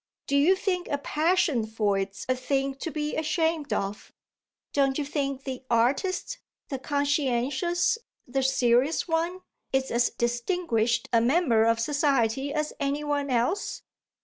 Do you think a passion for it's a thing to be ashamed of? Don't you think the artist the conscientious, the serious one is as distinguished a member of society as any one else?"